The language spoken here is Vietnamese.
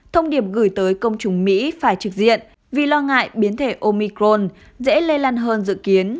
thông điệp gửi tới công chúng mỹ phải trực diện vì lo ngại biến thể omicron dễ lây lan hơn dự kiến